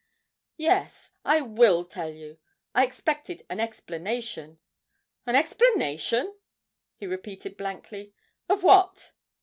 'Yes, I will tell you. I expected an explanation.' 'An explanation!' he repeated blankly; 'of what?'